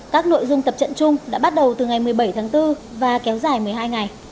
các nội dung tập trận chung đã bắt đầu từ ngày một mươi bảy tháng bốn và kéo dài một mươi hai ngày